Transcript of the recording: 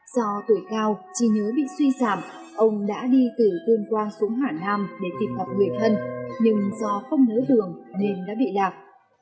do tuổi cao trí nhớ bị suy giảm ông đã đi từ tuyên quang xuống hà nam để tìm gặp người thân nhưng do không nới đường nên đã bị lạc